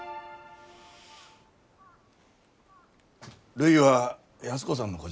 るいは安子さんの子じゃ。